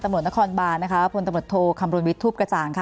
ตำรวจนครบาลพตำรวจโทคำรวจวิทย์ทูปกระจ่าง